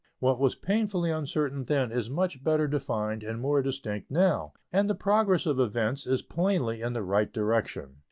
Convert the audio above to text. What was painfully uncertain then is much better defined and more distinct now, and the progress of events is plainly in the right direction.